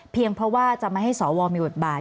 เพราะว่าจะไม่ให้สวมีบทบาท